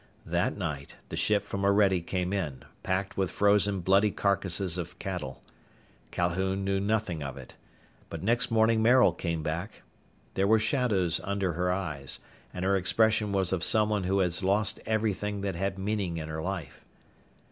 That night the ship from Orede came in, packed with frozen bloody carcasses of cattle. Calhoun knew nothing of it. But next morning Maril came back. There were shadows under her eyes and her expression was of someone who has lost everything that had meaning in her life.